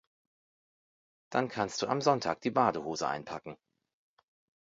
Dann kannst du am Sonntag die Badehose einpacken.